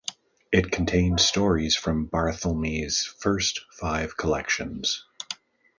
It contains stories from Barthelme's first five collections.